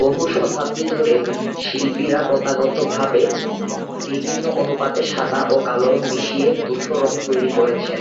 বহু শতাব্দী ধরে, শিল্পীরা প্রথাগতভাবে বিভিন্ন অনুপাতে সাদা ও কালো রং মিশিয়ে ধূসর তৈরি করেছেন।